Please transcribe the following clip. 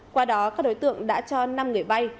qua đó các đối tượng đã cho năm người vay